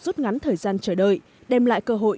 rút ngắn thời gian chờ đợi đem lại cơ hội